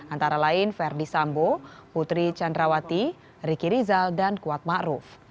antara lain ferdi sambo putri candrawati riki rizal dan kuatma ruf